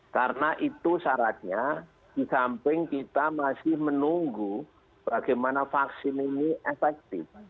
karena itu syaratnya di samping kita masih menunggu bagaimana vaksin ini efektif